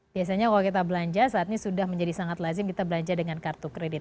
biasanya kalau kita belanja saat ini sudah menjadi sangat lazim kita belanja dengan kartu kredit